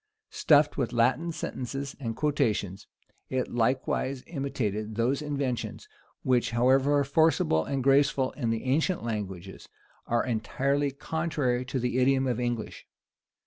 Stuffed with Latin sentences and quotations, it likewise imitated those inversions, which, however forcible and graceful in the ancient languages, are entirely contrary to the idiom of the English.